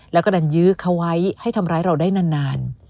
แล้วก็ดันยื้อเขาไว้ให้ทำร้ายเราได้นาน